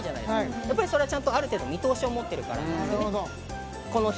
やっぱりそれはちゃんとある程度見通しを持ってるからなんですね